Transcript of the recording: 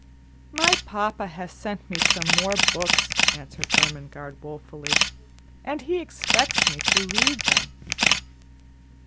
"My papa has sent me some more books," answered Ermengarde woefully, "and he expects me to read them."